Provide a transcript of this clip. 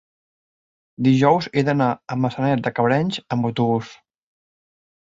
dijous he d'anar a Maçanet de Cabrenys amb autobús.